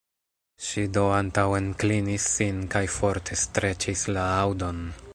Ŝi do antaŭenklinis sin kaj forte streĉis la aŭdon.